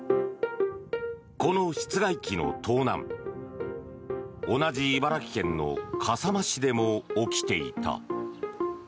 この室外機の盗難同じ茨城県の笠間市でも起きていた。